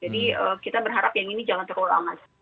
jadi kita berharap yang ini jangan terulang mas